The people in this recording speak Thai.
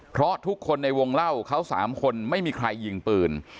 เพราะทุกคนในวงเล่าเขา๓คนไม่มีใครยิงปืน